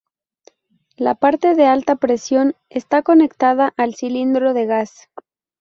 La parte de alta presión está conectada al cilindro de gas.